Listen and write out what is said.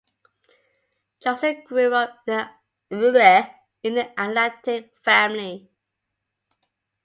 Johnson grew up in an athletic family.